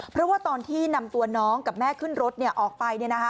เพราะว่าตอนที่นำตัวน้องกับแม่ขึ้นรถออกไป